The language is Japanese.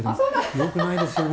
よくないですよね。